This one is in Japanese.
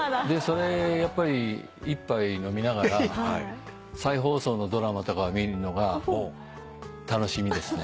それやっぱり一杯飲みながら再放送のドラマとかを見るのが楽しみですね。